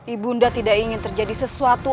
ibunda tidak ingin terjadi sesuatu